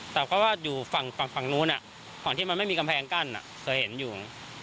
แต่เพราะว่าอยู่ฝั่งนู้นฝั่งที่มันไม่มีกำแพงกั้นเคยเห็นอยู่